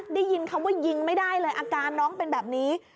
ได้ยินคำว่ายิงไม่ได้เลยอาการน้องเป็นแบบนี้